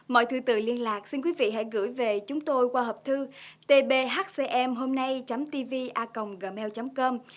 mọi thứ từ liên lạc xin quý vị hãy gửi về chúng tôi qua hộp thư tbhcmhomnay tvacomgmail com